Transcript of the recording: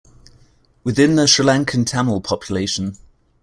Within the Sri Lankan Tamil population.